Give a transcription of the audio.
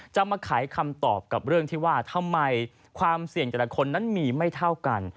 จะมาไขคำตอบกับเรื่องที่ว่าทำไมความเสี่ยงแต่ละคนนั้นมีไม่เท่ากัน